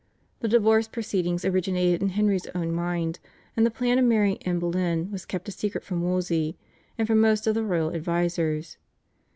The divorce proceedings originated in Henry's own mind, and the plan of marrying Anne Boleyn was kept a secret from Wolsey and from most of the royal advisers.